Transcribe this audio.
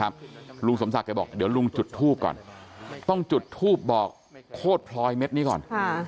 ลุงสมศักดิ์บอกเดี๋ยวลุงจุดทูบก่อนต้องจุดทูบบอกโคตรพลอยเม็ดนี้ก่อน